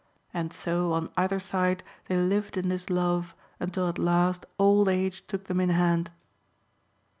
And so on either side they lived in this love, until at last old age took them in hand.